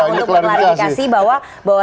untuk mengkarifikasi bahwa